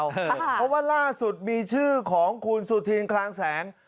เพราะว่าล่าสุดมีชื่อของคุณสุธินคลางแสง